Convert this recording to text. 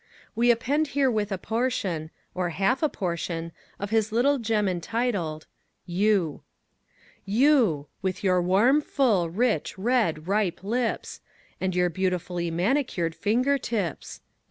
We append herewith a portion, or half portion, of his little gem entitled YOU You! With your warm, full, rich, red, ripe lips, And your beautifully manicured finger tips!